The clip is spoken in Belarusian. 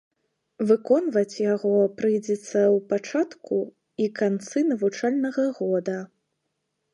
Выконваць яго прыйдзецца ў пачатку і канцы навучальнага года.